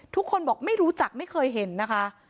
ทุกคนบอกไม่รู้จักไม่เคยเห็นนะคะ